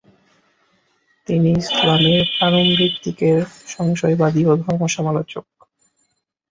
তিনি ইসলামের প্রারম্ভিক দিকের সংশয়বাদী ও ধর্মসমালোচক।